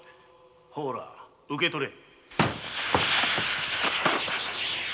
ほら受け取れ。